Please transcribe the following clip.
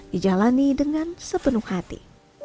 dijalani dengan sepenuh hati